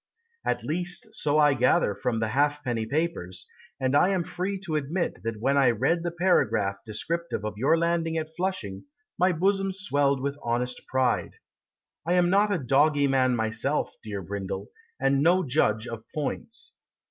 At least so I gather from the halfpenny papers, And I am free to admit That when I read the paragraph Descriptive of your landing at Flushing My bosom swelled with honest pride. I am not a doggy man myself, Dear Brindle, And no judge of points.